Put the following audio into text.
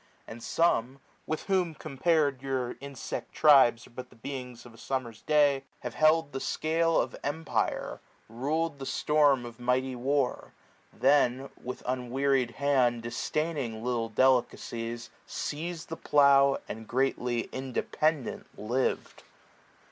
And some, with whom compar'd yom* insect tribes 60 Are but the beings of a summer^s day, Have held the scale of empire, rul'd the storm Of mighty war ; then, with unwearied hand. Disdaining little delicacies, seiz'd The plough, and greatly independent liv'd.